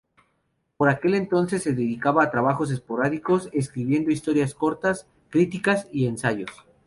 Por aquel entonces se dedicaba a trabajos esporádicos, escribiendo historias cortas, críticas y ensayos.